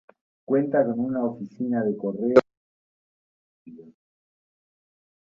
Cuenta con una oficina de correos y un cementerio.